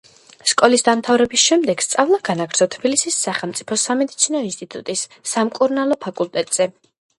სკოლის დამთავრების შემდეგ სწავლა განაგრძო თბილისის სახელმწიფო სამედიცინო ინსტიტუტის სამკურნალო ფაკულტეტზე.